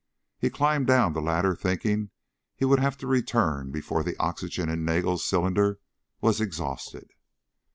He climbed down the ladder thinking he would have to return before the oxygen in Nagel's cylinder was exhausted.